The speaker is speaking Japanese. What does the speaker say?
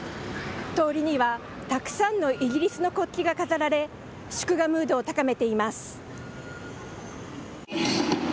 通りには、たくさんのイギリスの国旗が飾られ、祝賀ムードを高めています。